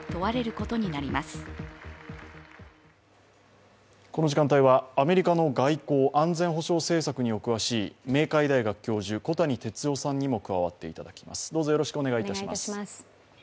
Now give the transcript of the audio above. この時間帯はアメリカの外交安全保障政策にお詳しい明海大学教授・小谷哲男さんにも加わっていただきます。